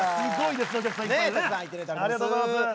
すごいですね